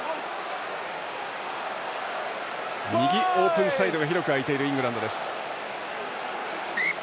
右オープンサイドが広く空いているイングランドです。